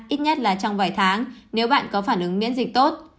ít nhất là trong vài tháng nếu bạn có phản ứng miễn dịch tốt